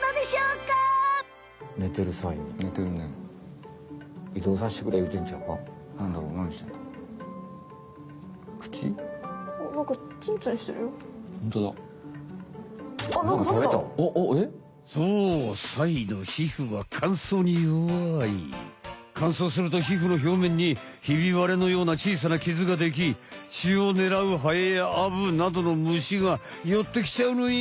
かんそうすると皮膚のひょうめんにひびわれのようなちいさなきずができちをねらうハエやアブなどの虫がよってきちゃうのよ！